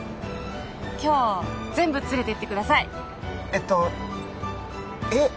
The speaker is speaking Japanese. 今日全部連れてってくださいえっとえっ？